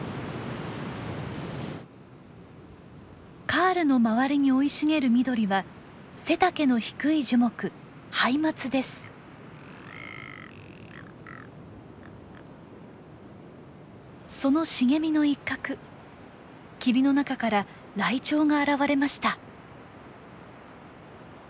カールの周りに生い茂る緑は背丈の低い樹木その茂みの一角霧の中からライチョウが現れました。